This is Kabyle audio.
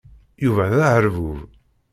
Yuba d aherbub.